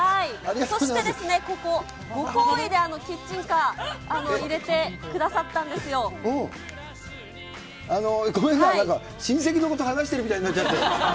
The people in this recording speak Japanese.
そしてですね、ここ、ご厚意で、キッチンカー、ごめんなさい、なんか親戚の子と話してるみたいになっちゃって。